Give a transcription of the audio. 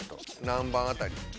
何番辺り？